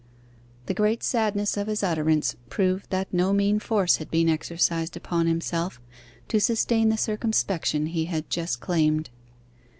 The great sadness of his utterance proved that no mean force had been exercised upon himself to sustain the circumspection he had just claimed.